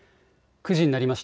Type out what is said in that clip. ９時になりました。